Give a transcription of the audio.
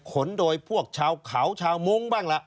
ขนโดยพวกชาวเขาชาวมุ้งบ้างล่ะ